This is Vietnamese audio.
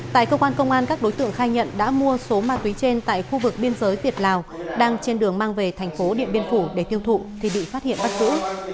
tại cơ quan công an các đối tượng khai nhận đã mua số ma túy trên tại khu vực biên giới việt lào đang trên đường mang về thành phố điện biên phủ để tiêu thụ thì bị phát hiện bắt giữ